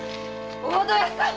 大戸屋さん！